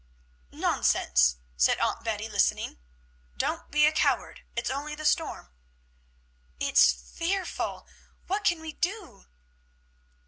"Nonsense!" said Aunt Betty, listening. "Don't be a coward! It's only the storm." "It's fearful! What can we do?"